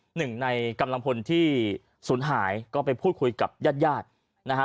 หนึ่งในกำลังพลที่สูญหายก็ไปพูดคุยกับญาติญาตินะฮะ